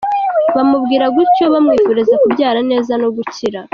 bamubwira gutyo bamwifuriza kubyara neza no gukira.